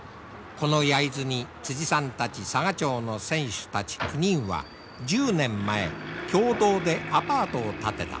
この焼津にさんたち佐賀町の船主たち９人は１０年前共同でアパートを建てた。